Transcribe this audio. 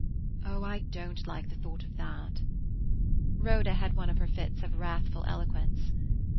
"Oh, I don't like the thought of that." Rhoda had one of her fits of wrathful eloquence.